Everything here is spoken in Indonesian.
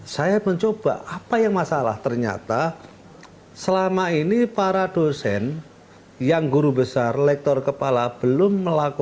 saya mencoba apa yang masalah ternyata selama ini para dosen yang guru besar lektor kepala belum melakukan